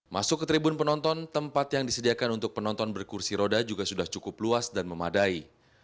masuk ke tribun penonton tempat yang disediakan untuk penonton berkursi roda juga sudah cukup luas dan memadai